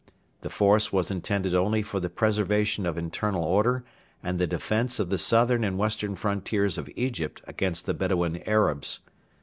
The force was intended only for the preservation of internal order and the defence of the southern and western frontiers of Egypt against the Bedouin Arabs.